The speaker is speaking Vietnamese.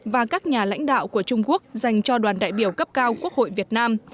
và các nhà lãnh đạo của trung quốc dành cho đoàn đại biểu cấp cao quốc hội việt nam